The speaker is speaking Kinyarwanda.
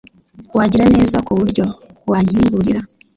wagira neza kuburyo wankingurira?